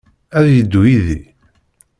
Ad yeddu yid-i?